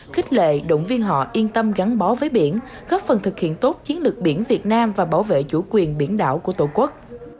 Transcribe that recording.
khích lệ động viên họ yên tâm gắn bó với biển góp phần thực hiện tốt chiến lược biển việt nam và bảo vệ chủ quyền biển đảo của tổ quốc